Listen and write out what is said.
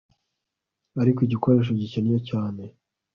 Ariko igikoresho gikennye cyane